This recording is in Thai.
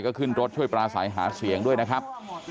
ก็ขึ้นรถช่วยปราศัยหาเสียงด้วยนะครับ